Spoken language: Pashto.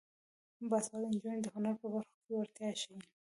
باسواده نجونې د هنر په برخه کې وړتیا ښيي.